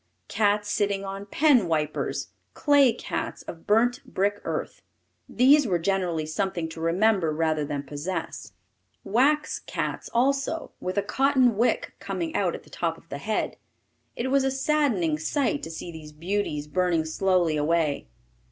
Cats sitting on pen wipers; clay cats of burnt brick earth. These were generally something to remember rather than possess. Wax cats also, with a cotton wick coming out at the top of the head. It was a saddening sight to see these beauties burning slowly away.